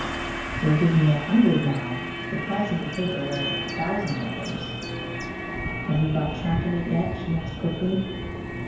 "You'll give me a hundred now. The price of the paper was a thousand dollars." "Have you got track of it yet?" she asked quickly.